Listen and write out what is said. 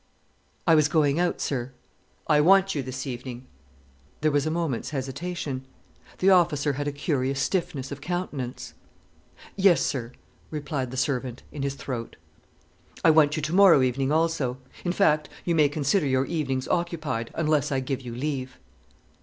"I was going out, sir." "I want you this evening." There was a moment's hesitation. The officer had a curious stiffness of countenance. "Yes, sir," replied the servant, in his throat. "I want you tomorrow evening also—in fact, you may consider your evenings occupied, unless I give you leave."